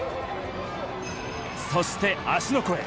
そして芦ノ湖へ。